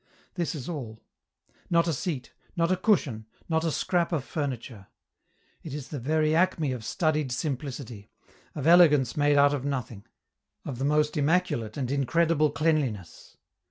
This is all: not a seat, not a cushion, not a scrap of furniture. It is the very acme of studied simplicity, of elegance made out of nothing, of the most immaculate and incredible cleanliness.